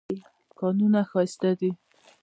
کانونه ښایسته دي.